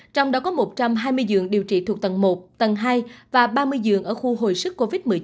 trong đó có một trăm hai mươi giường điều trị thuộc tầng một tầng hai và ba mươi giường ở khu hồi sức covid một mươi chín